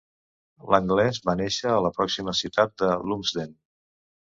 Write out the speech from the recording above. L'anglès va néixer a la pròxima ciutat de Lumsden.